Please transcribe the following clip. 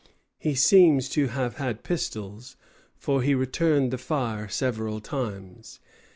He seems to have had pistols, for he returned the fire several times.